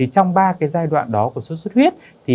trong ba giai đoạn đó của xuất xuất huyết